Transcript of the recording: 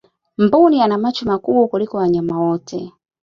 mbuni ana macho makubwa kuliko wanyama wote